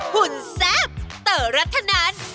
หุ่นแซ่บเต๋อรัฐนัน